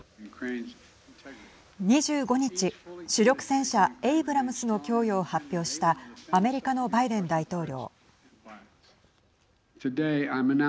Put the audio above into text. ２５日、主力戦車エイブラムスの供与を発表したアメリカのバイデン大統領。